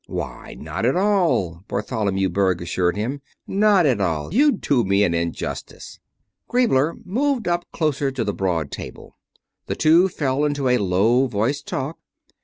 "Why, not at all," Bartholomew Berg assured him. "Not at all. You do me an injustice." Griebler moved up closer to the broad table. The two fell into a low voiced talk.